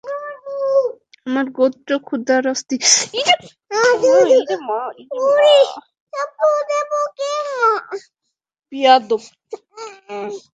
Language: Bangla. আমার গোত্র ক্ষুধায় অস্থির।